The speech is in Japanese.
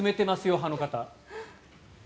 派の方。